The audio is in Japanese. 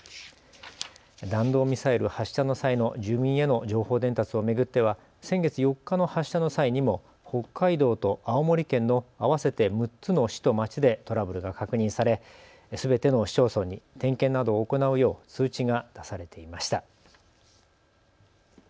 弾道ミサイル発射の際の住民への情報伝達を巡っては先月４日の発射の際にも北海道と青森県の合わせて６つの市と町でトラブルが確認されすべての市町村に点検などを行うよう通知が出されていました。